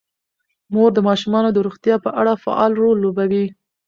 مور د ماشومانو د روغتیا په اړه فعال رول لوبوي.